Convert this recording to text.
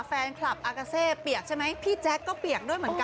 แฟนคลับอากาเซ่เปียกใช่ไหมพี่แจ๊คก็เปียกด้วยเหมือนกัน